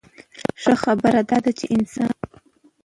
ښۀ خبره دا ده چې انسان